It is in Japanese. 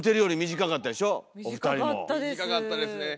短かったですね。